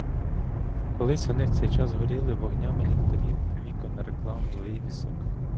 Колись вони в цей час горіли вогнями ліхтарів, вікон, реклам, вивісок.